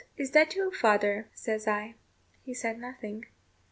'Is that you, father?' says I. He said nothing.